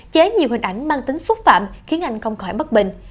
chế nhiều hình ảnh mang tính xúc phạm khiến anh không khỏi bất bình